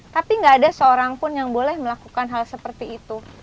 tapi gak ada seorang pun yang boleh melakukan hal seperti itu